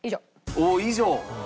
おっ以上。